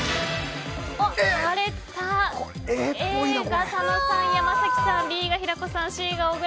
Ａが佐野さん、山崎さんＢが平子さん